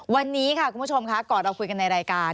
วันนี้ค่ะคุณผู้ชมค่ะก่อนเราคุยกันในรายการ